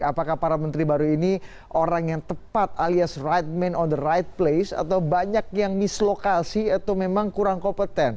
apakah para menteri baru ini orang yang tepat alias right man on the right place atau banyak yang mislokasi atau memang kurang kompeten